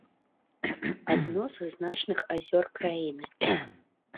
Адно са значных азёр краіны.